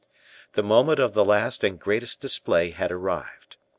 The moment of the last and greatest display had arrived.